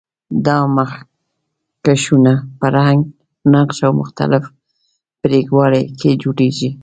دا مخکشونه په رنګ، نقش او مختلف پرېړوالي کې جوړیږي.